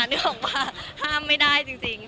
นึกออกว่าห้ามไม่ได้จริง